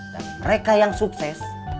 dan mereka yang sukses